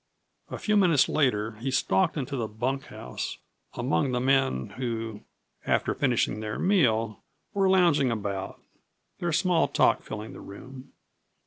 A few minutes later he stalked into the bunkhouse, among the men who, after finishing their meal, were lounging about, their small talk filling the room.